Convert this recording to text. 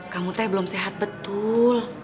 kamu teh belum sehat betul